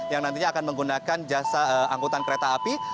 yang nantinya akan menggunakan jasa angkutan kereta api